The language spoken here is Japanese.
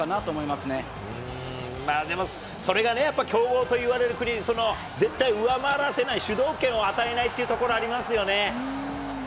まあでも、それがね、やっぱり強豪といわれる国、絶対上回らせない、主導権を与えないっていうところ、ありますよね。